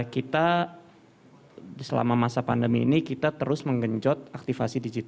kita selama masa pandemi ini kita terus menggenjot aktifasi digital